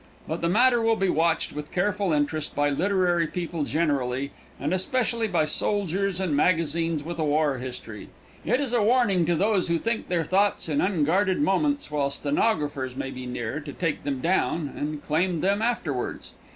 But the matter will be watched with careful interest by literary people generally, and especially by soldiers and magazines with a war history. It is a warning to those who think their thoughts in unguarded moments while stenographers may be near to take them down and claim them afterwards.